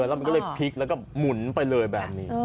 แล้วมันก็เลยพลิกแล้วก็หมุนไปเลยแบบนี้